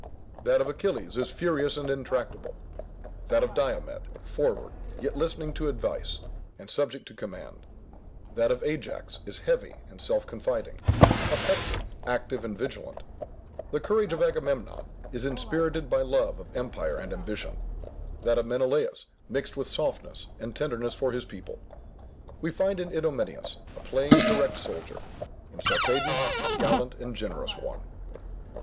That of Achilles is furious and intractable; that of Diomede forward, yet listening to advice, and subject to command; that of Ajax is heavy and self confiding; of Hector, active and vigilant: the courage of Agamemnon is inspirited by love of empire and ambition; that of Menelaus mixed with softness and tenderness for his people: we find in Idomeneus a plain direct soldier; in Sarpedon a gallant and generous one.